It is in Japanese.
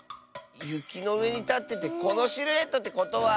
ゆきのうえにたっててこのシルエットってことは。